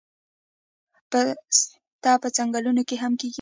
پسته په ځنګلونو کې هم کیږي